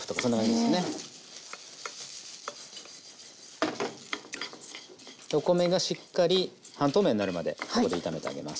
でお米がしっかり半透明になるまでここで炒めてあげます。